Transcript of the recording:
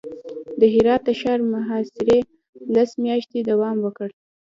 د هرات د ښار محاصرې لس میاشتې دوام وکړ.